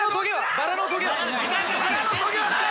バラのとげはない。